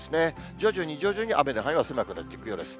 徐々に徐々に雨の範囲は狭くなっていくようです。